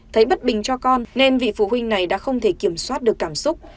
thấy bất bình cho con nên vị phụ huynh này đã không thể kiểm soát được cảm xúc